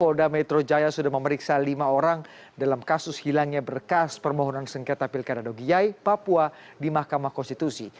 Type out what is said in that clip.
polda metro jaya sudah memeriksa lima orang dalam kasus hilangnya berkas permohonan sengketa pilkada dogiyai papua di mahkamah konstitusi